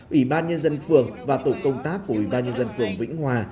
ủy ban nhân dân phường và tổ công tác của ủy ban nhân dân phường vĩnh hòa